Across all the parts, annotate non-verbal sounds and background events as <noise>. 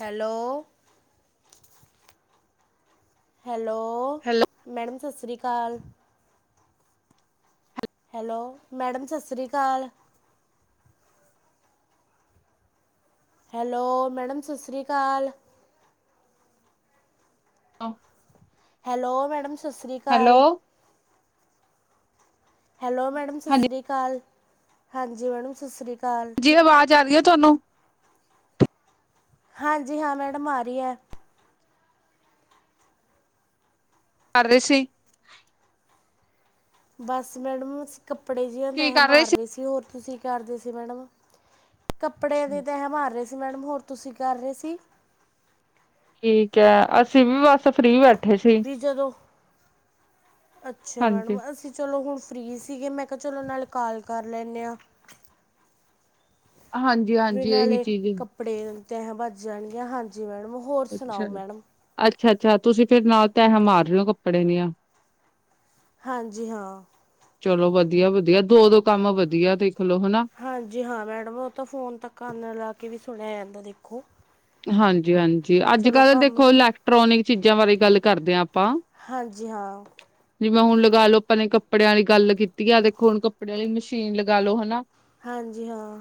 Hello. Hello, hello, madam ਸਸ ਸ੍ਰੀ ਕਾਲ। ਹੈਲੋ, ਮੈਡਮ ਸਸ ਸ੍ਰੀ ਕਾਲ। ਹੈਲੋ, ਮੈਡਮ ਸਸ ਸ੍ਰੀ ਕਾਲ। ਹੈਲੋ, ਮੈਡਮ ਸਤਿ ਸ੍ਰੀ ਹੈਲੋ ਕਾਲ। ਹੈਲੋ, ਮੈਡਮ ਸਤਿ ਹਾਂਜੀ ਸ੍ਰੀ ਕਾਲ, ਹਾਂਜੀ ਮੈਡਮ ਸਤਿ ਸ੍ਰੀ ਕਾਲ। ਕਿ ਆਵਾਜ਼ ਆ ਗਈ ਹੈ ਤੁਹਾਨੂੰ? ਕਿ ਹਾਂਜੀ ਹਾਂ, ਮੈਡਮ ਆ ਰਹੀ ਹੈ। ਕਿ ਕਰ ਰਹੇ ਸੀ? ਬਸ ਮੈਡਮ, ਅਸੀਂ ਕੱਪੜੇ ਜਿ ਤਾਂ ਤਹ ਮਾਰ ਰਹੇ ਸੀ। ਹੋਰ ਤੁਸੀਂ ਕਰਦੇ ਸੀ ਮੈਡਮ? ਕੱਪੜੇ ਦੇ ਤੇ ਹੈ ਮਾਰ ਰਹੇ ਸੀ। ਮੈਡਮ ਹੋਰ ਤੁਸੀਂ ਕਰ ਰਹੇ ਸੀ? ਠੀਕ ਏ, ਅਸੀਂ ਵੀ ਬਸ ਫ੍ਰਰੀ ਬੈਠੇ ਸੀ। ਕਿ ਜਦੋਂ, ਅੱਛਾ ਹਾਂਜੀ। ਮੈਡਮ ਅਸੀਂ ਚਲੋ ਹੁਣ ਫ੍ਰਰੀ ਸੀਗੇ, ਮੈਂ ਕਿਹਾ ਚਲੋ ਨਾਲੇ ਕਾਲ ਕਰ ਲੈਂਦੇ ਆ। ਵੀ ਹਾਂਜੀ-ਹਾਂਜੀ ਇਹੀ ਨਾਲੇ ਚੀਜ਼ ਕੱਪੜੇ ਤਹ ਵੱਜ ਜਾਣਗੀਆਂ, ਹਾਂਜੀ ਮੈਡਮ। ਹੋਰ ਸੁਣਾਓ ਅੱਛਾ, ਮੈਡਮ ਅੱਛਾ, ਅੱਛਾ ਤੁਸੀਂ ਫੇਰ ਨਾਲ ਤਹ ਮਾਰ ਰਹੇ ਹੋ ਕੱਪੜੇ ਦੀਆਂ। ਹਾਂਜੀ, ਹਾਂ। ਚਲੋ ਵਦੀਆ, ਵਦੀਆ ਦੋ-ਦੋ ਕੰਮ ਵਧੀਆ ਦੇਖਲੋ ਹਨਾ। ਹਾਂਜੀ ਹਾਂ ਮੈਡਮ, ਉਹ ਤਾਂ ਫੋਨ ਕੱਨ ਨਾਲ ਲਾ ਕੇ ਵੀ ਸੁਣਿਆ ਜਾਂਦਾ ਦੇਖੋ। ਹਾਂਜੀ-ਹਾਂਜੀ। ਜੀ ਅੱਜ ਚਲੋ -ਕੱਲ੍ਹ ਕੰਮ ਦੇਖੋ ਇਲੈਕਟ੍ਰੋਨਿਕ ਚੀਜ਼ਾਂ ਬਾਰੇ ਗੱਲ ਕਰਦੇ ਆਂ ਆਪਾਂ। ਹਾਂਜੀ ਹਾਂ ਜਿਵੇਂ ਹੁਣ ਲਗਾ ਲੋ ਆਪਾਂ ਨੇ ਕੱਪੜਿਆਂ ਵਾਲ ਦੀ ਗੱਲ ਕੀਤੀ ਆ, ਦੇਖੋ ਹੁਣ ਕੱਪੜਿਆਂ ਵਾਲੀ ਮਸ਼ੀਨ ਲਗਾ ਲੋ ਹਨਾ। ਹਾਂਜੀ, ਹਾਂ।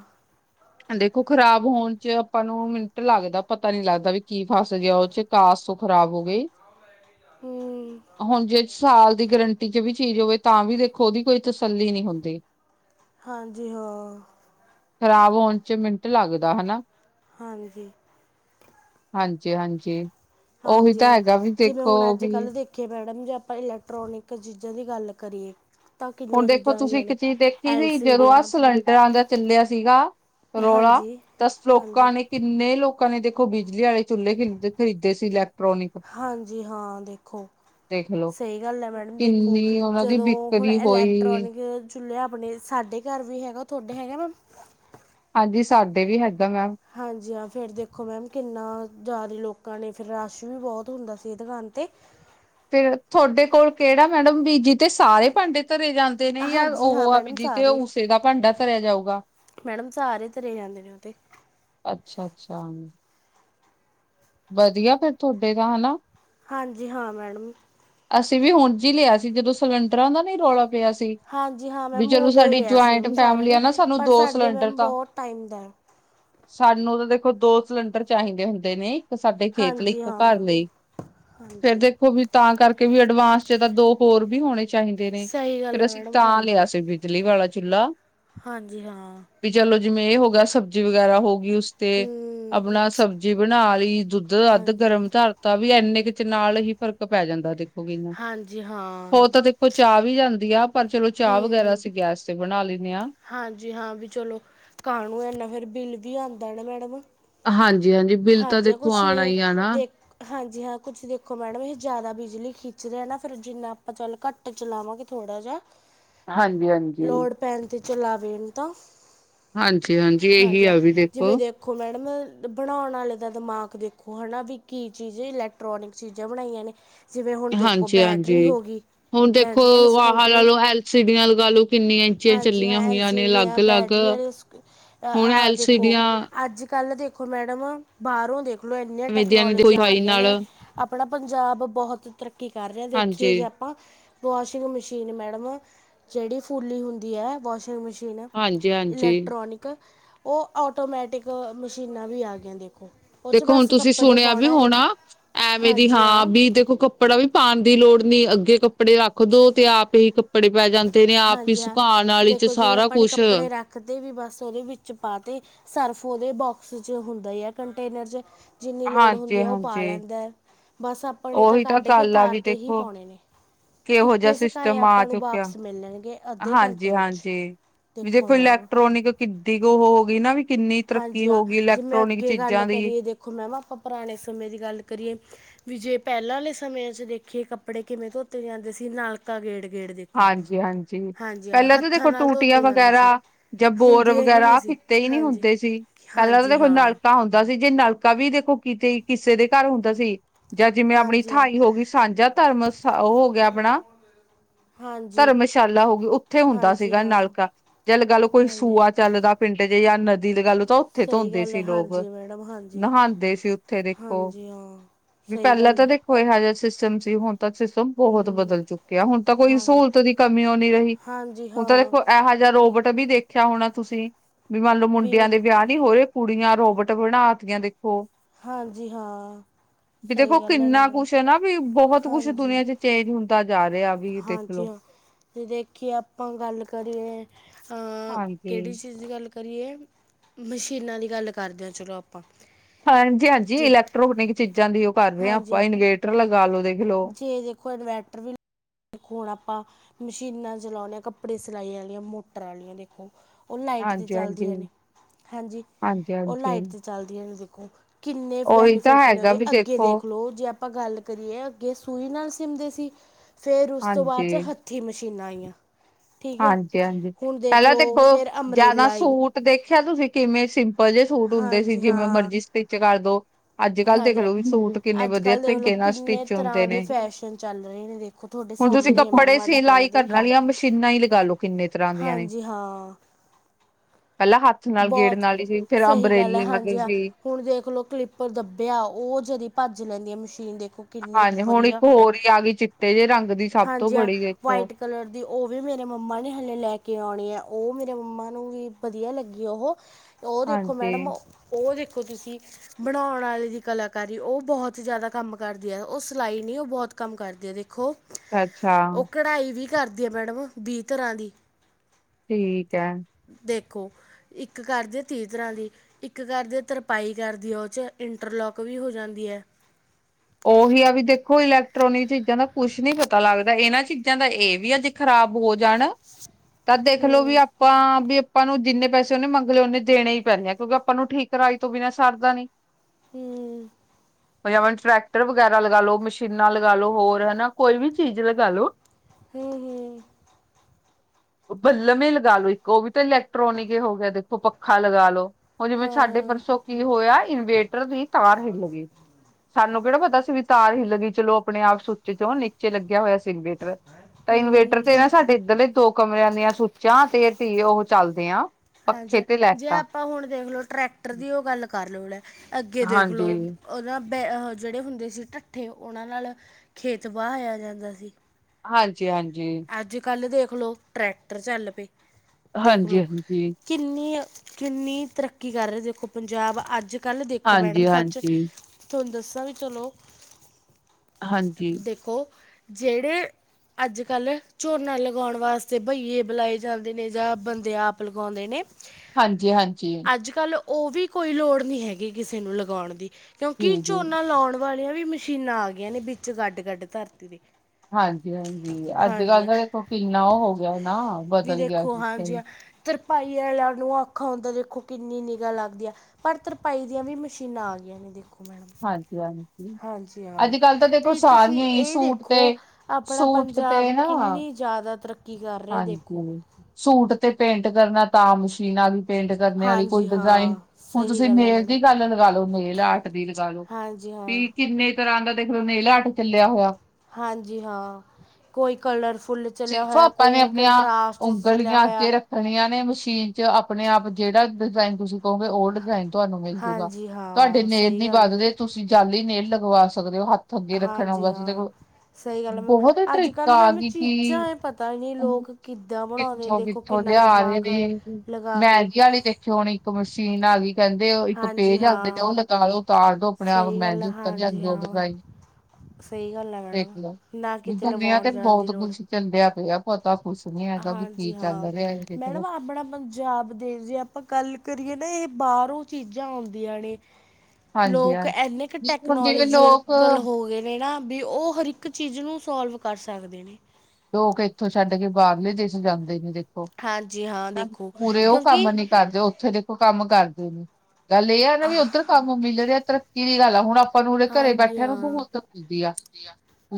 ਅਹ ਦੇਖੋ ਖਰਾਬ ਹੋਣ ਚ ਆਪਾਂ ਨੂੰ ਮੀਣਟ ਲੱਗਦਾ ਪਤਾ ਨੀ ਲੱਗਦਾ ਵੀ ਕੀ ਫਸ ਗਿਆ ਔਹਦੇ ਚ ਕਾਸਤੋਂ ਉਹ ਖਰਾਬ ਹੋ ਗ ਹੋ ਗਈ, ਹੂੰ ਹੁਣ ਜੇ ਸਾਲ ਦੀ ਗਰੰਟੀ ਚ ਵੀ ਚੀਜ਼ ਹੋਵੇ ਤਾਂ ਵੀ ਦੇਖੋ ਔਹਦੀ ਕੋਈ ਤਸੱਲੀ ਨਹੀਂ ਹੁੰਦੀ। ਹਾਂਜੀ, ਹਾਂ। ਖ਼ਰਾਬ ਹੋਣ ਚ ਮਿੰਟ ਲੱਗਦਾ, ਹਨਾ। ਹਾਂਜੀ। ਹਾਂਜੀ-ਹਾਂਜੀ, ਔਹੀ ਤਾਂ ਹੈਗਾ ਵੀ ਦੇਖੋ ਵੀ ਕੇ ਮੈਡਮ ਜੇ ਆਪਾਂ ਇਲੈਕਟ੍ਰੋਨਿਕ ਚੀਜ਼ਾਂ ਦੀ ਗੱਲ ਕਰੀਏ। ਤਾਂ ਹੁਣ ਕਿੰਨੀਆਂ ਦੇਖੋ ਚੀਜ਼ਾਂ ਤੁਸੀਂ ਹੈਗੀਆਂ ਇੱਕ ਨੇ ਚੀਜ਼ ਦੇਖੀ ਐਲ ਸੀ, ਜਦੋਂ ਆਹ ਡੀਆਂ ਸਿਲੰਡਰਾਂ ਦਾ ਚੱਲਿਆ ਸੀਗਾ। ਰੌਲਾ, ਹਾਂਜੀ ਤਾਂ ਲੋਕਾਂ ਹਾਂਜੀ ਨੇ ਕਿੰਨੇ ਲੋਕ ਲੋਕਾਂ ਨੇ ਦੇਖੋ ਬਿਜਲੀ ਵਾਲੇ ਚੁੱਲ੍ਹੇ ਖ ਖਰੀਦੇ ਸੀ, ਲੈ ਹਾਂਜੀ ਹਾਂ ਦੇਖੋ, ਦੇਖ ਲੋ ਸਹੀ ਗੱਲ ਹੈ ਮੈਡਮ ਦੇਖੋ ਕਿੰਨੀ ਉਹਨਾਂ ਦੀ ਜਦੋਂ ਹੁਣ ਏ ਬਿਕਰੀ ਹੋਈ ਇਲੈਕਟ੍ਰੋਨਿਕ ਚੁਲੇ ਆਪਣੇ ਸਾਡੇ ਘਰ ਵੀ ਹੈਗਾ, ਤੁਹਾਡੇ ਹੈਗੇ ਮੈਮ ਹਾਂਜੀ ਸਾਡੇ ਵੀ ਹੈਗਾ ਮੈਮ। ਹਾਂਜੀ ਹਾਂ, ਫੇਰ ਦੇਖੋ ਮੈਮ ਕਿੰਨਾ ਜ਼ਿਆਦਾ ਲੋਕਾਂ ਨੇ, ਫੇਰ ਰਸ਼ ਵੀ ਬਹੁਤ ਹੁੰਦਾ ਦੁਕਾਨਾਂ ਤੇ। ਫੇਰ ਤੁਹਾਡੇ ਕੋਲ ਕਿਹੜਾ ਮੈਡਮ, ਬੀ ਜੀਦੇ ਤੇ ਸਾਰੇ ਭਾਂਡੇ ਧਰੇ ਜਾਂਣ। ਤੇ ਨਹੀਂ ਯਾਰ ਹਾਂਜੀ ਹਾਂ ਉਹ ਆ ਵੀ ਮੈਡਮ ਜੀ ਤੇ ਸਾਰੇ ਉਸ਼ੇ ਦਾ ਭਾਂਡਾ ਧਰਿਆ ਜਾਊਗਾ। ਮੈਡਮ ਸਾਰੇ ਤੇਰੇ ਜਾਂਦੇ ਨੇ ਔਹ ਤੇ। ਅੱਛਾ, ਅੱਛਾ। ਵਧੀਆ ਫੇਰ ਤੁਹਾਡੇ ਦਾ ਹਨਾ। ਹਾਂਜੀ, ਹਾਂ ਮੈਡਮ। ਅਸੀਂ ਵੀ ਹੁਣ ਜੀ ਲਿਆ ਸੀ, ਜਦੋਂ ਸਿਲੰਡਰਾਂ ਦਾ ਨ ਰੌਲਾ ਪਿਆ ਸੀ ਹਾਂਜੀ ਹਾਂ ਵੀ ਮੈਮ ਚਲੋ ਔਦੋ ਹੀ ਸਾਡੀ ਲਿਆ ਸੀ ਜੁਆਇੰਟ ਹੁਣ ਸਾਰਿਆਂ ਫੈਮਿਲੀ ਆ ਨੇ, ਨਾ ਸਾਨੂੰ ਪਰ ਦੋ ਸਾਡੇ ਸਿਲੰਡਰ ਮੈਮ ਤਾਂ ਬਹੁਤ ਟਾਈਮ ਦਾ ਐ। <inaudible> ਸਾਨੂੰ ਤਾਂ ਦੇਖੋ ਦੋ ਸਿਲੰਡਰ ਚਾਹੀਦੇ ਹੁੰਦੇ ਨੇ ਸਾਡੇ ਖੇਤ ਲਈ ਹਾਂਜੀ ਇੱਕ ਘਰ ਹਾਂ ਲਈ, ਫਿਰ ਹਾਂਜੀ ਦੇਖੋ ਵੀ ਤਾਂ ਕਰਕੇ ਕਿ ਵੀ ਅਡਵਾਂਸ 'ਚ ਦੋ ਹੋਰ ਵੀ ਹੋਣੇ ਚਾਹੀਦੇ ਨੇ, ਸਹੀ ਗੱਲ ਫੇਰ ਹੈ ਅਸੀਂ ਮੈਡਮ ਤਾਂ ਲਿਆ ਹਾਂਜੀ ਸੀ ਵੀ ਦਿੱਲੀ ਵਾਲਾ ਚੁੱਲ੍ਹਾ ਹਾਂਜੀ ਹਾਂ ਵੀ ਚਲੋ ਜਿਵੇਂ ਇਹ ਹੋ ਗਿਆ, ਸਬਜ਼ੀ ਵਗੈਰਾ ਹੋ ਗਈ ਉਸ ਤੇ ਹੂੰ ਆਪਣਾ ਸਬਜ਼ੀ ਬਣਾ ਲਈ, ਦੁੱਧ ਦਾ ਅੱਧ ਹਾਂਜੀ ਗਰਮ ਧਰ ਤਾਂ ਵੀ ਇੰਨੇ ਕ ਨਾਲ ਹੀ ਫ਼ਰਕ ਪੈ ਜਾਂਦਾ ਦੇਖੋਗੇ, ਹਾਂਜੀ ਹਾਂ ਹੋਰ ਤਾਂ ਦੇਖੋ ਉਹ ਚਾਹ ਵੀ ਜਾਂਦੀ ਆ, ਪਰ ਚਲੋ ਚਾਹ ਵਗੈਰਾ ਹੂੰ ਅਸੀਂ ਗੈਸ ਤੇ ਬਣਾ ਲੈਂਦੇ ਆਂ ਹਾਂਜੀ ਹਾਂ ਵੀ ਚਲੋ ਕਾਹਨੂੰ ਇਨਾ ਫੇਰ ਬਿੱਲ ਵੀ ਆਂਦਾ ਨਾ ਮੈਡਮ ਹਾਂਜੀ- ਹਾਂਜੀ ਬਿੱਲ ਤਾਂ ਹਾਂਜੀ, ਦੇਖੋ ਕੁਛ ਆਣਾ ਇਹ ਹੀ ਆਣਾ ਦੇਖ ਹਾਂਜੀ ਹਾਂ ਕੁੱਛ ਦੇਖੋ ਮੈਡਮ ਇਹ ਜ਼ਿਆਦਾ ਬਿਜਲੀ ਖਿੱਚ ਰਿਹਾ ਨਾ ਫੇਰ ਜਿੰਨਾ ਆਪਾਂ ਚਲ ਘੱਟ ਘੱਟ ਚਲਾਵਾਂਗੇ ਥੋੜ੍ਹਾ ਜਾ ਹਾਂਜੀ -ਹਾਂਜੀ ਪੈਂਤੀ ਚਲਾਵੇਣ ਦੋ ਹਾਂਜੀ- ਹਾਂਜੀ ਇਹੀ ਆ ਵੀ ਦੇਖੋ ਜਿਵੇਂ ਦੇਖੋ ਮੈਡਮ <unintelligible> ਬਣਾਉਣ ਵਾਲੇ ਦਾ ਦਿਮਾਗ ਦੇਖੋ ਹਨਾ ਵੀ ਕੀ ਚੀਜ਼, ਇਲੈਕਟ੍ਰੋਨਿਕ ਚੀਜ਼ਾਂ ਬਣਾਈਆਂ ਨੇ ਜਿਵੇਂ ਹੁਨ ਦੇਖੋ ਹਾਂਜੀ ਬੈਟਰੀ ਹਾਂਜੀ ਹੋ ਗਈ ਹੁਣ ਦੇਖੋ ਬੈਟਰੀ ਵਾਲੀ ਆਹ ਲਾ ਸਕੂਟਰੀ, ਲਓ ਐਲ ਸੀ ਡੀਆਂ ਲਗਾ ਲਓ ਕਿੰਨੀਆਂ ਇੰਚੀਆਂ ਹਾਂਜੀ ਚੱਲੀਆਂ ਹੈ ਐਲ ਹੋਈਆਂ ਨੇ ਸੀ ਡੀ ਹੈ ਅਲੱਗ ਅਲੱਗ ਬੈਟਰੀ ਵਾਲੀ ਸਕ ਅ ਹੁਣ ਆਹ ਐਲ ਸੀ ਦੇਖੋ, ਡੀਆਂ ਅੱਜ- ਕੱਲ ਦੇਖੋ ਮੈਡਮ ਬਾਹਰੋਂ ਦੇ ਲ ਇੰਨੀਆਂ ਵੇਦਿਆਂ ਨੇ ਕੋਈ ਟੈਕਨੋਲੋਜੀਆਂ ਆ ਫਾਈ ਰਹੀਆਂ ਨਾਲ ਨੇ, ਆਪਣਾ ਪੰਜਾਬ ਬਹੁਤ ਤਰੱਕੀ ਕਰ ਰਿਹਾ, ਦੇਖੀਏ ਹਾਂਜੀ ਜੇ ਅਪ ਆਪਾਂ, ਵਾਸ਼ਿੰਗ ਮਸ਼ੀਨ ਮੈਡਮ ਜਿਹੜੀ ਫੁੱਲੀ ਹੁੰਦੀ ਹੈ ਵਾਸ਼ਿੰਗ ਮਸ਼ੀਨ ਮਸ਼ੀਨ ਹਾਂਜੀ-ਹਾਂਜੀ ਇਲੈਕਟ੍ਰਾਨਿਕ ਉਹ ਆਟੋਮੈਟਿਕ ਅ ਮਸ਼ੀਨ ਮਸ਼ੀਨਾ ਵੀ ਆ ਗਈਆ ਦੇਖੋ ਉਹ 'ਚ ਦੇਖੋ ਹੁਣ ਬਸ ਤੁਸੀਂ ਕੱਪੜੇ ਸੁਣਿਆ ਵੀ ਪਾਉਣਾ ਹੋਣਾ, ਐਵੇਂ ਦੀ ਹਾਂ ਵੀ ਦੇਖੋ ਕੱਪੜਾ ਵੀ ਪਾਣ ਦੀ ਲੋੜ ਨੀ, ਅੱਗੇ ਕੱਪੜੇ ਰੱਖ ਦੋ ਤੇ ਆਪ ਹੀ ਕਪ ਕੱਪੜੇ ਪੈ ਜਾਂਦੇ ਨੇ, ਆਪ ਹੀ ਹਾਂਜੀ ਹਾਂ ਸੁਕਾਣ ਵਾਲੀ 'ਚ, ਸਾਰਾ ਕੁਛ ਕਦੇ ਵੀ ਬਸ ਉਹਦੇ ਵਿੱਚ ਪਾ ਦੇ, ਸਰਫ ਉਹਦੇ ਬੋਕਸ 'ਚ ਹੁੰਦਾ ਆ ਕੰਟੇਨਰ 'ਚ ਜਿੰਨੀ ਲੋੜ ਹੁੰਦੀ ਉਹ ਪਾ ਹਾਂਜੀ-ਹਾਂਜੀ ਲੈਂਦਾ ਹੈ ਬਸ ਅਪ ਕੱਪੜੇ ਤਾਂ ਉਹੀ ਕੱਢ ਕੇ ਗੱਲ ਆ ਤਾਰ ਵੀ ਤੇ ਹੀ ਦੇਖੋ ਪਾਉਣੇ ਨੇ, ਕਿਹੋ ਜਿਹਾ ਸੁੱਕੇ ਸੁਕਾਏ ਸਿਸਟਮ ਆ ਆਪਾਂ ਨੂੰ ਵਾਪ ਚੁੱਕਿਆ ਵਾਪਸ ਮਿਲਣਗੇ ਅੱਧੇ ਘੰਟੇ ਵਿੱਚ, ਹਾਂਜੀ-ਹਾਂਜੀ ਵੀ ਦੇਖੋ ਮੈਡਮ ਇਲੈਕਟ੍ਰੋਨਿਕ ਕਿੱਡੀ ਕੁ ਹੋ ਗਈ ਨਾ ਵੀ ਕਿੰਨੀ ਤਰੱਕੀ ਹਾਂਜੀ ਹੋ ਗਈ ਇਲੈਕਟ੍ਰੋਨਿਕ ਚੀਜ਼ਾਂ ਦੀ ਖੁਮੈਮ ਆਪਾਂ ਪੁਰਾਣੇ ਸਮੇਂ ਦੀ ਗੱਲ ਕਰੀਏ ਵੀਜੇ ਪਹਿਲਾਂ ਵਾਲੇ ਸਮਿਆਂ 'ਚ ਦੇਖੀਏ ਕੱਪੜੇ ਕਿਵੇਂ ਧੋਤੇ ਜਾਂਦੇ ਸੀ, ਨਲਕਾ ਗੇੜ ਗੇੜਦੇ ਹਾਂਜੀ- ਹਾਂਜੀ ਪਹਿਲਾਂ ਤਾਂ ਦੇਖੋ ਨਾਲ ਟੂਟੀਆਂ ਧੋਤੇ ਜਾਂਦੇ ਵਗੈਰਾ ਸੀ ਜਾਂ ਬੋਰ ਹੁੰਦੀਆਂ ਹੀ ਵਗੈਰਾ ਨਹੀਂ ਆਹ ਸੀ ਕੀ ਤੇਹੀ ਨਹੀਂ ਹਾਂਜੀ ਹੁੰਦੇ ਸੀ ਪਹਿਲਾਂ ਤਾਂ ਹਾਂਜੀ ਦੇਖੋ ਹਾਂ ਨਲਕਾ ਹੁੰਦਾ ਸੀ, ਜੇ ਨਲਕਾ ਵੀ ਦੇਖੋ ਕਿਤੇ ਕਿਸੀ ਦੇ ਘਰ ਹੁੰਦਾ ਸੀ ਜਾਂ ਜਿਵੇਂ ਆਪਣੀ ਹਾਂਜੀ ਹਾਂ ਥਾਈ ਹੋ ਗਈ ਸਾਂਝਾ ਧਰਮ ਸ ਉਹ ਹੋ ਗਿਆ ਆਪਣਾ ਹਾਂਜੀ ਧਰਮਸ਼ਾਲਾ ਹੋ ਗਈ ਉੱਥੇ ਹੁੰਦਾ ਹਾਂਜੀ ਸੀਗਾ ਹਾਂ ਨਲਕਾ ਜਾ ਲਗਾ ਲਓ ਕੋਈ ਹਾਂਜੀ ਹਾਂ ਸੂਆ ਚੱਲਦਾ ਪਿੰਡ ਜੇ ਜਾਂ ਨਦੀ ਲਗਾ ਲਓ ਤੋ ਉੱਥੇ ਸਹੀ ਧੋਂਦੇ ਗੱਲ ਸੀ ਹੈ ਲੋਕ, ਹਾਂਜੀ ਮੈਡਮ ਹਾਂਜੀ ਨਹਾਂਦੇ ਸੀ ਉੱਥੇ ਦੇਖੋ ਹਾਂਜੀ ਹਾਂ ਵੀ ਸਹੀ ਪਹਿਲਾਂ ਗੱਲ ਤਾਂ ਹੈ ਦੇਖੋ ਇਹੋ ਜਿਹਾ ਸਿਸਟਮ ਸੀ, ਹੁਨ ਤਾਂ ਸਿਸਟਮ ਬਹੁਤ ਹੂੰ ਬਦਲ ਚੁੱਕਿਆ ਹੁਣ ਤਾਂ ਕੋਈ ਹਾਂ ਸਹੂਲਤ ਦੀ ਕਮੀ ਉਹ ਨਹੀਂ ਰਹੀ, ਹਾਂਜੀ ਹੁਣ ਹਾਂ ਤਾਂ ਦੇਖੋ ਐ ਏਹੋ ਜਾ ਰੋਬਟ ਵੀ ਦੇਖਿਆ ਹੋਣਾ ਤੁਸੀਂ ਵੀ ਮੰਨ ਲਓ ਵੀ ਮੁੰਡਿਆਂ ਦੇ ਵਿਯਾ ਹੋਰੇ ਕੁੜੀਆਂ ਰੋਬਟ ਬਣਾ ਤੀਆਂ ਦੇਖੋ। ਹਾਂਜੀ ਹਾਂ ਵੀ ਦੇਖੋ, ਸਹੀ ਗੱਲ ਹੈ ਕਿੰਨਾ ਮੈਡਮ ਕੁਛ ਹੈਨਾ ਵੀ ਬਹੋਤ ਬਹੁ ਕੁੱਛ ਹਾਂਜੀ ਦੁਨੀਆਂ ਚ ਚੇਂਜ ਹੁੰਦਾ ਜਾ ਰੇਆ ਵੀ। ਹਾਂਜੀ ਦੇਖਲੋ ਹਾਂ ਤੇ ਦੇਖੀਏ ਆਪਾਂ ਗੱਲ ਕਰੀਏ ਹਾਂ, ਹਾਂਜੀ ਕੇੜੀ ਚੀਜ਼ ਦੀ ਗੱਲ ਕਰੀਏ, ਮਸ਼ੀਨਾਂ ਦੀ ਗੱਲ ਕਰਦੇਆਂ ਚਲੋ ਆਪਾਂ। ਹਾਂਜੀ-ਹਾਂਜੀ ਜੀ ਇਲੈਕਟ੍ਰੋਨਿਕ ਚੀਜ਼ਾਂ ਦੀ ਓ ਕਰ ਰੇਆਂ ਆਪਾਂ, ਇਨਵੇਟਰ ਲਗਾ ਲੋ ਦੇਖਲੋ। ਤੇ ਦੇਖੋ, ਇਨਵੈਟਰ ਵੀ ਦੇਖ ਹੁਣ ਆਪਾਂ ਮਸ਼ੀਨਾਂ ਚਲਾਉਂਦੇ, ਕੱਪੜੇ ਸਿਲਾਈ ਵਾਲੀਆਂ ਮੋਟਰਾਂ ਆਲੀਆਂ ਦੇਖੋ। ਓ ਲਾਈਟ 'ਤੇ ਹਾਂਜੀ ਚੱਲਦੀ ਹਾਂਜੀ ਆਂ ਨੇ ਨਈਂ ਹਾਂਜੀ, ਹਾਂਜੀ ਉਹ ਹਾਂਜੀ ਲਾਈਟ 'ਤੇ ਚਲਦੀ ਐ ਦੇਖੋ, ਕਿੰਨੇ ਉਹੀ ਤਾਂ ਬੇਨਿਫਿਟ ਨੇ ਹੈਗਾ ਓਦੇ ਵੀ ਅੱਗੇ ਦੇਖੋ ਦੇਖ ਲੋ ਆਪਾਂ ਗੱਲ ਕਰੀਏ ਅੱਗੇ ਸੂਈ ਨਾਲ ਸਿੰਮਦੇ ਸੀ, ਫੇਰ ਉਸ ਤੋਂ ਬਾਅਦ ਹਾਂਜੀ 'ਚ ਹੱਥ ਹੱਥੀ ਮਸ਼ੀਨਾਂ ਆਈਆਂ ਠੀਕ ਐ ਹਾਂਜੀ-ਹਾਂਜੀ ਹੁਣ, ਦੇਖ ਲਓ ਫਿਰ ਅੰਬਰੇਲਾ ਆਈ। ਦੇਖੇਆ ਤੁਸੀਂ ਕਿਵੇਂ ਸਿੰਪਲ ਜੇ ਸੂਟ ਹੁੰਦੇ ਸੀ, ਹਾਂਜੀ ਜਿਵੇਂ ਹਾਂ ਮਰਜੀ ਸਟਿਚ ਕਰਦੋ। ਅੱਜ-ਕੱਲ ਦੇਖ ਹਾਂਜੀ ਹਾਂ ਲਓ ਵੀ ਸੂਟ ਕਿੰਨੇ ਅੱਜ ਵਧੀਆ ਕੱਲ੍ਹ ਦੇਖ ਲਓ ਤਰੀਕੇ ਨਾਲ ਕਿੰਨੇ ਸਟਿਚ ਹੁੰਦੇ ਤਰ੍ਹਾਂ ਦੇ ਨੇ। ਫੈਸ਼ਨ ਚੱਲ ਰਹੇ ਨੇ ਦੇਖੋ ਤੁਹਾਡੇ ਹੁਣ ਤੁਸੀਂ ਸਾਹਮਣੇ ਹੈ ਕੱਪੜੇ ਮੈਡਮ ਅੱਜ ਕੱਲ੍ਹ ਸਿਲਾਈ ਦੀ ਕਰਨ ਆਲੀਆਂ ਮਸ਼ੀ ਚਿੰਨਾ ਹੀ ਲਗਾਲੋ ਕਿੰਨੇ ਤਰ੍ਹਾਂ ਦੀਆਂ ਨੇ, ਹਾਂਜੀ ਹਾਂ ਪੈਲਾਂ ਹੱਥ ਨਾਲ ਗੇੜ ਬਹੁਤ ਨਾਲੀ ਸੀ, ਫੇਰ ਸਹੀ ਗੱਲ ਹੈ ਅੰਬਰੇਲੀ ਗਗੀ ਹਾਂਜੀ ਹਾਂ ਸੀ। ਹੁਣ ਦੇਖ ਲਓ ਕਲੀਪਰ ਦੱਬਿਆ, ਓ ਜਦੀ ਭੱਜ ਲੈਂਦੀਆਂ ਮਸ਼ੀਨ ਦੇਖੋ। ਕਿੰਨੀ ਹਾਂਜੀ, ਹੁਣ ਇੱਕ ਵਧੀਆ ਹੋਰ ਈਂ ਆਗੀ, ਚਿੱਤੇੇ ਜੇ ਰੰਗ ਦੀ ਸਭ ਤੋਂ ਹਾਂਜੀ ਹਾਂ ਬੜੀ ਇੱਕ ਓਹ। ਵਾਈਟ ਕਲਰ ਦੀ ਓ ਵੀ ਮੇਰੇ ਮੰਮਾ ਨੇ ਹਾਲੇ ਲੈਕੇ ਆਉਣੀ ਆ, ਓ ਮੇਰੇ ਮੰਮਾ ਨੂੰ ਵੀ ਵਧੀਆ ਲੱਗੀ। ਓਹ ਓ ਦੇਖੋ ਹਾਂਜੀ ਮੈਡਮ ਓ ਦੇਖੋ ਤੁਸੀਂ ਬਣਾਉਣ ਵਾਲੇ ਦੀ ਕਲਾਕਾਰੀ ਓ ਬਹੋਤ ਜਾਦਾ ਕੰਮ ਕਰਦੀ ਐ, ਓ ਸਿਲਾਈ ਨਈਂ ਓ ਬਹੁਤ ਕੰਮ ਕਰਦੀ ਐ ਦੇਖੋ। ਅੱਛਾ। ਉਹ ਕਢਾਈ ਵੀ ਕਰਦੀ ਐ ਮੈਡਮ, ਵੀਹ ਤਰ੍ਹਾਂ ਦੀ। ਠੀਕ ਐ। ਦੇਖੋ ਇੱਕ ਕਰਦੇ ਆ ਤੀਹ ਤਰ੍ਹਾਂ ਦੀ ਇੱਕ ਕਰਦੇ ਤਰਪਾਈ ਕਰਦੀ ਐ, ਓ'ਚ ਇੰਟਰਲੋਕ ਵੀ ਹੋ ਜਾਂਦੀਐ। ਓਹੀ ਆ ਵੀ ਦੇਖੋ ਇਲੈਕਟ੍ਰੋਨਿਕ ਚੀਜ਼ਾਂ ਦਾ ਕੁਛ ਨੀ ਪਤਾ ਲੱਗਦਾ ਏਨਾਂ ਚੀਜ਼ਾਂ ਦਾ ਏ ਵੀ ਆ ਖਰਾਬ ਹੋ ਜਾਣ ਤਾਂ, ਦੇਖਲੋ ਵੀ ਹੂੰ ਆਪ ਆਪਾਂ ਵੀ ਆਪਾਂ ਨੂੰ ਜਿੰਨੇ ਪੈਸੇ ਓਨੇ ਮੰਗ ਲਏਨੇ ਦੇਣੇ ਹੀ ਪੈਂਣੇਦੇ ਆ, ਕਿਉਂਕਿ ਆਪਾਂ ਨੂੰ ਠੀਕ ਕਰਾਈ ਤੋਂ ਬਿਨਾਂ ਸਰਦਾ ਨੀ। ਹੂੰ। ਜਮ ਟਰੈਕਟਰ ਵਗੈਰਾ ਲਗਾ ਲੋ, ਮਸ਼ੀਨਾਂ ਲਗਾ ਲੋ ਹੋਰ ਹਨਾ ਕੋਈ ਵੀ ਚੀਜ਼ ਲਗਾ ਲੋ। ਹੂੰ-ਹੂੰ। ਬੱਲਮ ਹੀ ਲਗਾ ਲਓ, ਇੱਕ ਓ ਵੀ ਤਾਂ ਇਲੈਕਟ੍ਰੋਨਿਕ ਹੀ ਹੋ ਗਿਆ ਦੇਖੋ। ਪੱਖਾ ਲਗਾ ਲੋ। ਹੁਨ ਜਿਵੇਂ, ਸਾਡੇ ਹਾਂ ਪਰਸੋਂ ਕੀ ਹੋਇਆ, ਇਨਵੇਟਰ ਦੀ ਤਾਰ ਹਿੱਲ ਗੀ ਸਾਨੂੰ ਕੇੜਾ ਪਤਾ ਸੀ ਵੀ ਤਾਰ ਹਿੱਲ ਗੀ, ਚਲੋ ਅਪਨੇ ਆਪ ਸੁ ਚ ਨੀਚੇ ਲੱਗਿਆ ਹੋਇਆ ਸੀ ਇਨਵੇਟਰ, ਤਾਂ ਇਨਵੇਟਰ ਹੂੰ ਤੇ ਨਾ ਸਾਡੇ ਏਧਰ ਏ ਦੋ ਕਮਰੇ ਨੀਆ ਸੁੱਚਾ 'ਤੇ ਟੀ ਓ ਚੱਲਦੇ ਆਂ, ਪੱਖੇ ਤੇ ਲੈਟਾ ਤਾਂ ਹੁਣ ਦੇਖ ਲਓ, ਟਰੈਕਟਰ ਦੀ ਓ ਗੱਲ ਕਰ ਲਓ ਲੈ, ਅੱਗੇ ਦੇਖ ਲਓ ਹਾਂਜੀ ਓਦਾ ਬੈ, ਜੇੜੇ ਹੁੰਦੇ ਸੀ ਢੱਠੇ ਓਨਾਂ ਨਾਲ ਖੇਤ ਬਾਹਇਆ ਜਾਂਦਾ ਸੀ। ਹਾਂਜੀ-ਹਾਂਜੀ। ਅੱਜਕੱਲ੍ਹ ਦੇਖ ਲਓ, ਟਰੈਕਟਰ ਚੱਲ ਪਏ, ਦੇਖ ਹਾਂਜੀ ਲਓ। ਹਾਂਜੀ ਕਿੰਨੀ ਅ, ਕਿੰਨੀ ਤਰੱਕੀ ਕਰ ਰਿਹਾ ਦੇਖੋ ਪੰਜਾਬ ਅੱਜ -ਕੱਲ ਦੇਖੋ ਮੈਡਮ ਹਾਂਜੀ ਹਾਂਜੀ ਸੱਚ। ਥੋਨੂੰ ਦੱਸਾਂ ਵੀ ਚਲੋ, ਹਾਂਜੀ ਦੇਖੋ ਜਿਹੜੇ ਅੱਜ -ਕੱਲ ਝੋਨਾ ਲਗਾਉਣ ਵਾਸਤੇ ਬਈਏ ਬੁਲਾਏ ਜਾਂਦੇ ਨੇ ਜਾਂ ਬੰਦੇ ਆਪ ਲਗਾਉਂਦੇ ਨੇ ਹਾਂਜੀ-ਹਾਂਜੀ। ਅੱਜ-ਕੱਲ੍ਹ ਉਹ ਵੀ ਕੋਈ ਲੋੜ ਨੀ ਹੈਗੀ ਕਿਸੇ ਨੂੰ ਲਗਾਉਣ ਦੀ ਕਿਉਂਕਿ ਜੀ ਜੀ ਝੋਨਾ ਲਾਉਣ ਵਾਲੀਆਂ ਵੀ ਮਸ਼ੀਨਾਂ ਆ ਗਈਆਂ ਨੇ ਵਿੱਚ ਗੱਡ-ਗੱਡ ਧਰਤੀ ਦੇ। ਹਾਂਜੀ-ਹਾਂਜੀ, ਹਾਂਜੀ ਅੱਜ-ਕੱਲ ਹਾਂ ਤਾਂ ਦੇਖੋ ਕਿੰਨਾ ਉਹ ਹੋ ਗਿਆ ਨਾ ਵੀ ਬਦਲ ਗਿਆ ਦੇਖੋ ਹਾਂਜੀ ਤਰਪਾਈ ਲੈਣ ਨੂੰ ਆਖਾ ਹੁੰਦਾ ਦੇਖੋ ਕਿੰਨੀ ਨਿਗਾ ਲੱਗਦੀ ਆ। ਪਰ ਤਰਪਾਈ ਦੀਆਂ ਵੀ ਮਸ਼ੀਨਾਂ ਆ ਗਈਆਂ ਨੇ ਦੇਖੋ ਮੈਡਮ। ਹਾਂਜੀ ਹਾਂਜੀ ਹਾਂਜੀ ਹਾ, ਅੱਜ ਕੱਲ ਤਾਂ ਦੇਖੋ ਵੀ ਤੁਸੀਂ ਸਾਰੀਆਂ ਹੀ ਇਹ ਸੂਟ ਦੇਖੋ ਤੇ ਆਪਣਾ ਸੂਟ ਤੇ ਪੰਜਾਬ ਨਾ ਕਿੰਨੀ ਜਿਆਦਾ ਤਰੱਕੀ ਕਰ ਰਿਹਾ ਦੇਖੋ। ਹਾਂਜੀ ਸੂਟ ਤੇ ਪੇਂਟ ਕਰਨਾ ਤਾਂ ਮਸ਼ੀਨਾਂ ਪੇਂਟ ਕਰਨੇ ਵਾਲੀ ਕੋਈ ਹਾਂਜੀ ਡਿਜ਼ਾਇਨ, ਹਾਂ ਹੁਣ ਸਹੀ ਤੁਸੀਂ ਗੱਲ ਹੈ ਨੇੇਲ ਮੈਡਮ ਦੀ ਗੱਲ ਲਗਾ ਲੋ ਨੇਲ ਆਰਟ ਦੀ ਲਗਾ ਲੋ, ਹਾਂਜੀ ਹਾਂ ਭੀ ਕਿੰਨੇ ਤਰ੍ਹਾਂ ਦਾ ਦੇਖ ਲਓ ਨੇਲ ਆਰਟ ਚੱਲਿਆ ਹੋਇਆ। ਹਾਂਜੀ ਹਾਂ। ਕੋਈ ਕਲਰਫੁੱਲ ਚੱਲਿਆ ਸਿਰਫ ਹੋਇਆ, ਆਪਾਂ ਕੋਈ ਕੰਟਰਰਾਾਸਟ 'ਚ ਚੱਲਿਆ ਹੋਇਆ। ਖਣੀਆਂ ਨੇ ਮਸ਼ੀਨ 'ਚ ਆਪਣੇ ਆਪ ਜਿਹੜਾ ਡਿਜ਼ਾਇਨ ਤੁਸੀਂ ਕਹੋਗੇ ਉਹ ਡਿਜ਼ਾਇਨ ਤੁਹਾਨੂੰ ਮਿਲ ਜੂਗਾ, ਹਾਂਜੀ ਤੋਡੇ ਹਾਂ ਨੇਲ ਸਹੀ ਦੀ- ਗੱਲ ਹੈ ਤੇ ਤੁਸੀਂ ਜਾਲੀ ਨੇਕ ਲਗਵਾ ਸਕਦੇ ਓ ਹੱਥ ਥੱਗੇ ਰੱਖਣ ਹਾਂਜੀ ਵਾਸਤੇ ਹਾਂ ਦੇਖੋ, ਸਹੀ ਗੱਲ ਮੈਮ ਬਹੁਤ ਅੱਜ ਟਰੀਕਾ ਕੱਲ੍ਹ ਆ ਮੈਮ ਗੀ ਕੀ ਚੀਜ਼ਾਂ ਇਹ ਪਤਾ ਹੀ ਨਹੀਂ ਲੋਕ ਕਿੱਦਾਂ ਬਣਾਉਂਦੇ ਨੇ, ਦੇਖੋ ਕਿੱਥੋਂ-ਕਿਥੋਂ ਕਿੰਨਾ ਲਿਆ ਰਹੇ ਦਿਮਾਗ ਨੇ, ਲਗਾ ਕੇ ਮੈਗੀ ਆਲੀ ਦੇਖੀ ਹੋਣੀ। ਇੱਕ ਮਸ਼ੀਨ ਆ ਗਈ ਕਹਿੰਦੇ ਉਹ ਇੱਕ ਹਾਂਜੀ ਪੇਜ ਆਂਦੇ ਤੇ ਹਾਂ ਉਹ ਲਗਾ ਲੋ ਉਤਾਰ ਦੋ ਆਪਣੇ ਆਪ ਸਹੀ ਗੱਲ ਹੈ ਮੈਂਜਿਕ ਹਾਂਜੀ ਹਾਂ <unintelligible> ਸਹੀ ਗੱਲ ਹੈ ਮੈਡਮ ਦੇਖਲੋ, ਨਾ ਵੀ ਕਿਤੇ ਦੁਨੀਆਂ ਲਵਾਉਣ ਤੇ ਜਾਣ ਬਹੁਤ ਦੀ ਲੋੜ ਕੁਛ ਚਲਦਿਆ ਪਿਆ। ਪਤਾ ਕੁਛ ਨੀ ਹੈਗਾ ਵੀ ਕੀ ਚੱਲ ਰਿਆ <unintelligible> ਬੜਾ ਮ ਪੰਜਾਬ ਦੇ ਜੇ ਆਪਾਂ ਗੱਲ ਕਰੀਏ ਨਾ ਇਹ ਬਾਹਰੋਂ ਚੀਜ਼ਾਂ ਆਉਂਦੀਆਂ ਨੇ। ਹਾਂਜੀ ਲੋਕ ਹਾਂਜੀ ਇੰਨੇ ਕੁ ਹੁਣ ਜਿਵੇਂ ਲੋਕ ਟੈਕਨੋਲੋਜੀਅਕਲ ਹੋ ਗਏ ਨੇ ਨਾ ਵੀ ਉਹ ਹਰ ਇੱਕ ਚੀਜ ਨੂੰ ਸੋਲਵ ਕਰ ਸਕਦੇ ਨੇ। ਲੋਕ ਇੱਥੋਂ ਛੱਡ ਕੇ ਬਾਹਰਲੇ ਦੇਸ਼ ਜਾਂਦੇ ਨੇ ਦੇਖੋ। ਹਾਂਜੀ ਹਾਂ ਦੇਖੋ ਪੂਰੇ ਉਹ ਕਿਉਂਕਿ ਕੰਮ ਨੀ ਕਰਦੇ ਓ ਉੱਥੇ ਦੇਖੋ ਕੰਮ ਕਰਦੇ ਨੇ। ਗੱਲ ਇਹ ਹੈ ਨਾ ਵੀ ਉੱਧਰ ਕੰਮ ਮਿਲ ਰਿਹਾ ਤਰੱਕੀ ਦੀ ਗੱਲ ਆ ਹੁਣ ਆਪਾਂ ਨੂੰ ਉਹਦੇ ਘਰੇ ਹਾਂਜੀ ਬੈਠਿਆਂ ਨੂੰ ਹਾਂ ਸਹੂਲਤ ਮਿਲਦੀ ਆ,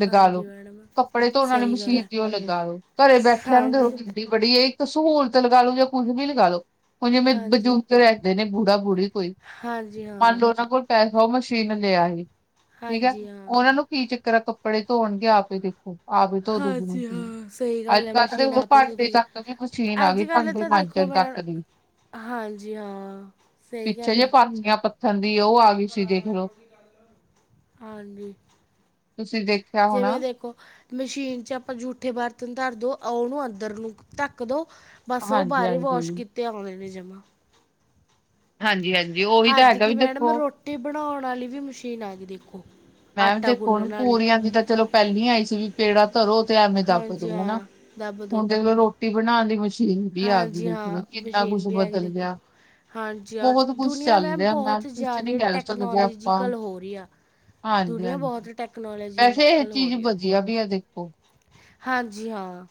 ਲਗਾ ਹਾਂਜੀ ਲਓ, ਮੈਡਮ ਕੱਪੜੇ ਧੋਣ ਆਲੀ ਸਹੀ ਮਸ਼ੀਨ ਗੱਲ ਹੈ ਕਿ ਉਹ ਲਗਾ ਲੋ, ਘਰੇ ਬੈਠਿਆਂ ਨੂੰ ਹਾਂਜੀ <unintelligible> ਬੜੀ ਏ ਇੱਕ ਸਹੂਲਤ ਲਗਾ ਲੋ ਜਾਂ ਕੁਝ ਵੀ ਲਗਾ ਲੋ। ਹੁਣ ਜਿਵੇਂ ਹਾਂਜੀ ਬਜੁਰਗ ਰਹਿਂਦੇ ਨੇ ਬੁੜਾ-ਬੁੜੀ ਕੋਈ, ਹਾਂਜੀ ਮੰਨ ਹਾਂ ਲਓ ਉਹਨਾਂ ਕੋਲ ਪੈਸਾ ਉਹ ਮਸ਼ੀਨ ਲੈ ਆਏ, ਠੀਕ ਏ ਹਾਂਜੀ ਹਾਂ ਉਹਨਾ ਨੂੰ ਕੀ ਚ ਤਰਾ ਕੱਪੜੇ ਧੋਣਗੇ ਆਪੇ ਦੇਖੋ, ਆਪ ਹੀ ਧੋ ਦੂ ਜਿਂਵੇ ਹਾਂਜੀ ਹਾਂ ਸਹੀ ਗੱਲ ਹੈ ਅੱਜ-ਕੱਲ ਤੇ ਮਸ਼ੀਨ ਉਹ ਆਪੇ ਤੋਂ ਭਂਡੇ ਤੁਸੀਂ ਤੱਕ ਵੀ ਮਸ਼ੀਨ ਆ ਅੱਜ ਗਈ ਕੱਲ੍ਹ ਭਾਂਡੇ ਤਾਂ ਦੇਖੋ ਮਾਂਜਣ ਮੈਂ ਤੱਕ ਦੀ। ਹਾਂਜੀ ਹਾਂ ਸਹੀ ਪਿੱਛੇ ਗੱਲ ਜੇ ਹੈ ਪਸ ਗੀਆਂ ਪੱਥਰ ਦੀ ਉਹ ਆ ਗੀ ਸੀ ਦੇਖ ਲਓ। ਹਾਂਜੀ। ਤੁਸੀਂ ਦੇਖ- ਜਿਵੇਂ ਦੇਖੋ- ਮਸ਼ੀਨ ਚ ਆਪਾਂ ਜੂਠੇ ਬਰਤਨ ਧਰ ਦੋ, ਓਨੂੰ ਅੰਦਰ ਨੂੰ ਧੱਕ ਦੋ ਬਸ ਉਹ ਹਾਂਜੀ ਬਾਰੇ ਵੋਸ਼ ਹਾਂਜੀ ਕੀਤੇ ਆਉਂਦੇ ਨੇ ਜਮਾ। ਹਾਂਜੀ -ਹਾਂਜੀ ਉਹੀ ਤਾਂ ਹੱਦ ਹੈਗਾ ਕੀ ਵੀ ਮੈਡਮ 'ਦੇਖੋ ਰੋਟੀ ਬਣਾਉਣ ਵਾਲੀ ਵੀ ਮਸ਼ੀਨ ਆ ਗਈ ਦੇਖੋ। ਮੈਮ ਆਟਾ ਦੇਖੋ ਗੁੰਨਣ ਵਾਲੀ ਪੂਰੀਆਂ ਦੀ ਤਾਂ ਚਲੋ ਪਹਿਲੀ ਆਈ ਸੀ ਵੀ ਪੇੜਾ ਧਰੋ ਤੇ ਐਵੇਂ ਦੱਬ ਹਾਂਜੀ ਦੋ ਹਨਾ, ਹਾਂ ਦੱਬ ਹੁਣ ਦੋ ਦੇਖ ਲੋ ਰੋਟੀ ਬਣਾਣ ਦੀ ਮਸ਼ੀਨ ਵੀ ਆ ਗਈ ਹਾਂਜੀ ਦੇਖ ਹਾਂ, ਲੋ ਕਿੰਨਾ ਮਸ਼ੀਨ ਕੁਛ ਵੀ ਹੈਗੀ ਬਦਲ ਦੇਖੋ। ਗਿਆ। ਹਾਂਜੀ ਹਾਂ, ਬਹੁਤ ਕੁਛ ਦੁਨੀਆਂ ਚੱਲ ਮੈਂਮ ਰਿਹਾ ਮੈਮ ਬਹੁਤ ਕੁਛ ਨੀ ਜ਼ਿਆਦਾ ਕਹਿ ਸਕਦੇ ਆਪਾਂ ਟੈਕਨੋਲੋਜੀਕਲ ਹੋ ਰਹੀ ਆ। ਦੁਨੀਆ ਹਾਂਜੀ-ਹਾਂਜੀ। ਬਹੁਤ ਵੈਸੇ ਇਹ ਟੈਕਨੋਲੋਜੀਕਲ ਹੋ ਚੀਜ਼ ਰਹੀ ਆ। ਵਧੀਆ ਵੀ ਹੈ ਦੇਖੋ। ਹਾਂਜੀ, ਹਾਂ।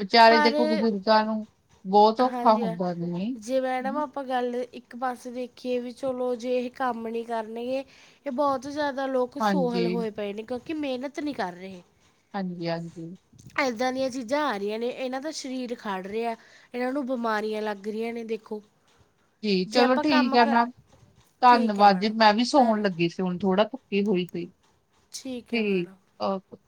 ਵਿਚਾਰੇ ਪਰ ਦੇਖੋ ਬਜ਼ੁਰਗਾਂ ਨੂੰ, ਬਹੁਤ ਔਖਾ ਹਾਂਜੀ ਹਾਂ ਹੁੰਦਾ ਜਿਵੇਂ ਜੇ ਮੈਡਮ ਆਪਾਂ ਗੱਲ ਇੱਕ ਪਾਸੇ ਦੇਖੀਏ ਵੀ ਚਲੋ ਜੇ ਇਹ ਕੰਮ ਨਹੀਂ ਕਰਨਗੇ ਕੇ ਬਹੁਤ ਜ਼ਿਆਦਾ ਲੋਕ ਸੋਹਲ ਹਾਂਜੀ, ਹੋਏ ਪਏ ਨੇ, ਕਿਉਂਕਿ ਮਿਹਨਤ ਨਹੀਂ ਕਰ ਰਹੇ। ਹਾਂਜੀ -ਹਾਂਜੀ। ਏਦਾਂ ਦੀਆਂ ਚੀਜ਼ਾਂ ਆ ਰਹੀਆਂ ਨੇ, ਇਹਨਾਂ ਦਾ ਸਰੀਰ ਖੜ੍ਹ ਰਿਹਾ। ਇਹਨਾਂ ਨੂੰ ਬਿਮਾਰੀਆਂ ਲੱਗ ਰਹੀਆਂ ਨੇ ਦੇਖੋ। ਜੀ ਜੇ ਚਲੋ ਆਪਾਂ ਠੀਕ ਕੰਮ ਹੈ ਕਰ ਮੈਮ, ਠੀਕ ਹੈ ਧੰਨਵਾਦ ਜੀ ਮੈਡਮ ਮੈਂ ਵੀ ਧੰਨ ਸੌਣ ਲੱਗੀ ਸੀ ਹੁਣ ਥੋੜਾ। ਹੋਈ ਪਈ, ਹੈ ਠੀਕ ਮੈਡਮ ਓਕੇ।